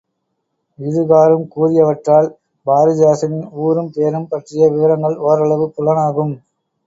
இது காறுங் கூறியவற்றால், பாரதிதாசனின் ஊரும் பேரும் பற்றிய விவரங்கள் ஓரளவு புலனாகும்.